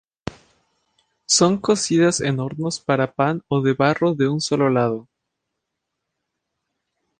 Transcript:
Son cocidas en hornos para pan o de barro de un solo lado.